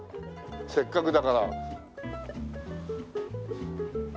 せっかくだから。